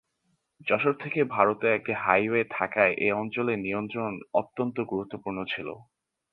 যশোর থেকে ভারতে একটি হাইওয়ে থাকায় এ অঞ্চলের নিয়ন্ত্রণ অত্যন্ত গুরুত্বপূর্ণ ছিল।